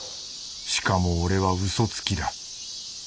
しかも俺はウソつきだ。